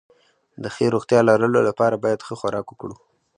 د ښې روغتيا لرلو لپاره بايد ښه خوراک وکړو